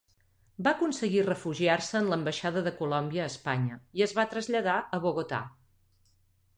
Va aconseguir refugiar-se en l'ambaixada de Colòmbia a Espanya, i es va traslladar a Bogotà.